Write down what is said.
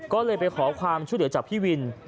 ก็เลยไปขอความช่วยเหลือจากพี่วิน